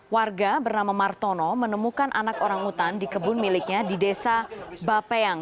warga bernama martono menemukan anak orang utan di kebun miliknya di desa bapeyang